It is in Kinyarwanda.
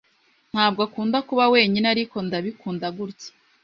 Ntabwo akunda kuba wenyine, ariko ndabikunda gutya.